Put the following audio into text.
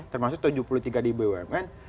termasuk tujuh puluh tiga di bumn